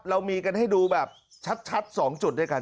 เรามีกันให้ดูแบบชัด๒จุดด้วยกัน